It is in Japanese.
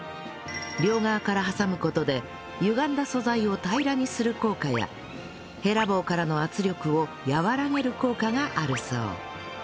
両側から挟む事で歪んだ素材を平らにする効果やへら棒からの圧力を和らげる効果があるそう